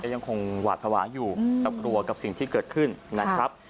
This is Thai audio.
ยังคงหวาดภาวะอยู่กับกลัวกับสิ่งที่เกิดขึ้นนะครับ